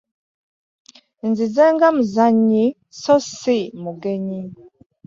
Nzize nga muzannyi naye so si mugenyi.